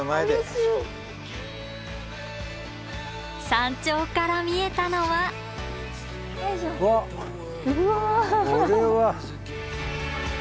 山頂から見えたのはこれは。